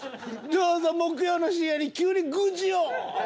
どうぞ木曜の深夜に急にグジョ！